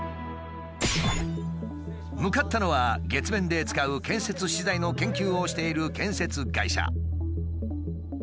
向かったのは月面で使う建設資材の研究をしている建設会社。